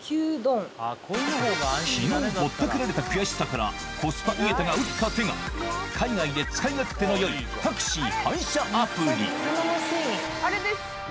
昨日ぼったくられた悔しさからコスパ井桁が打った手が海外で使い勝手の良いタクシー配車アプリあれです。